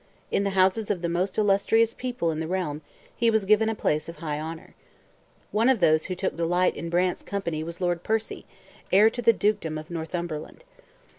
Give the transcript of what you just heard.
In the houses of the most illustrious people in the realm he was given a place of high honour. One of those who took delight in Brant's company was Lord Percy, heir to the dukedom of Northumberland.